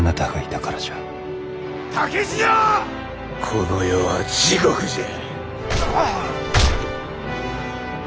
この世は地獄じゃ！